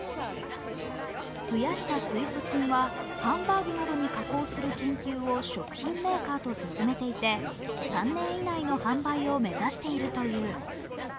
増やした水素菌はハンバーグなどに加工する研究を食品メーカーと進めていて３年以内の販売を目指しているという。